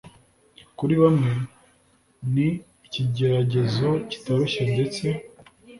Kuri bamwe, ni ikigeragezo kitoroshye ndetse